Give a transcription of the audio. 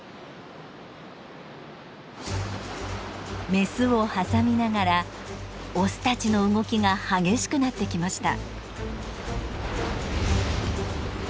メスを挟みながらオスたちの動きが激しくなってきました。